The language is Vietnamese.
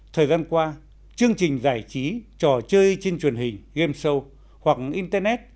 thời gian qua chương trình giải trí trò chơi trên truyền hình game show hoặc internet